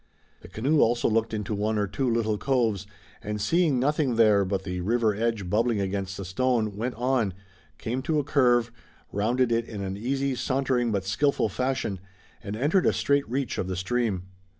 The canoe also looked into one or two little coves, and seeing nothing there but the river edge bubbling against the stone, went on, came to a curve, rounded it in an easy, sauntering but skillful fashion, and entered a straight reach of the stream.